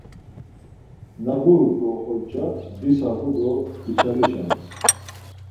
Na ǧurut̆t̆u oxorca disağu do içalişams.